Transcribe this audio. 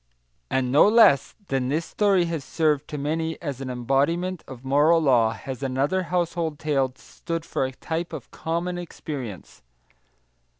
And no less truly than this story has served to many as an embodiment of moral law has another household tale stood for a type of common experience.